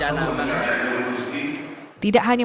tidak hanya para santri tetapi juga para pesantren